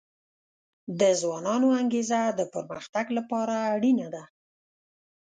د ځوانانو انګیزه د پرمختګ لپاره اړینه ده.